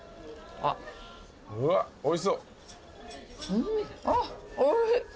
あっおいしいうん！